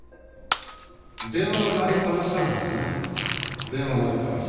電話が鳴りっぱなしなんですね、電話鳴りっぱなし。